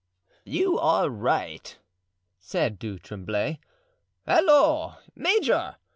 "You are right," said Du Tremblay. "Halloo, major!